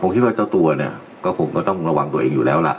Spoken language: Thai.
ผมคิดว่าเจ้าตัวเนี่ยก็คงก็ต้องระวังตัวเองอยู่แล้วล่ะ